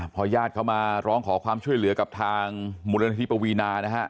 พอญาติเขามาร้องขอความช่วยเหลือกับทางมูลนิธิปวีนานะฮะ